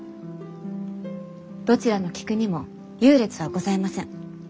どちらの菊にも優劣はございません。